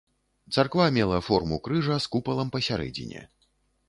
Царква мела форму крыжа з купалам пасярэдзіне.